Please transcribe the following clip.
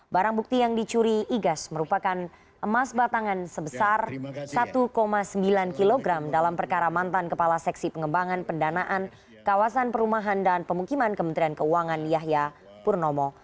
barang bukti yang dicuri igas merupakan emas batangan sebesar satu sembilan kg dalam perkara mantan kepala seksi pengembangan pendanaan kawasan perumahan dan pemukiman kementerian keuangan yahya purnomo